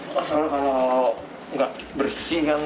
pasalnya kalau nggak bersih kan